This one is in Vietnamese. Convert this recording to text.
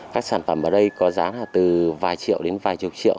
các sản phẩm ở đây có giá từ vài triệu đến vài chục triệu